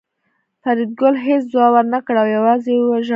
فریدګل هېڅ ځواب ورنکړ او یوازې یې ژړل